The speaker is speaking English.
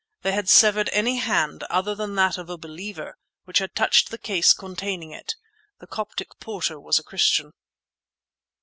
They had severed any hand, other than that of a Believer, which had touched the case containing it. (The Coptic porter was a Christian.)